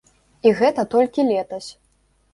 І гэта толькі летась.